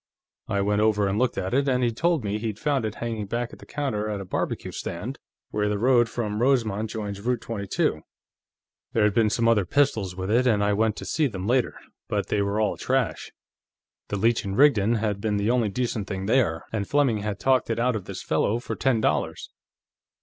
I went over and looked at it, and he told me he'd found it hanging back of the counter at a barbecue stand, where the road from Rosemont joins Route 22. There had been some other pistols with it, and I went to see them later, but they were all trash. The Leech & Rigdon had been the only decent thing there, and Fleming had talked it out of this fellow for ten dollars.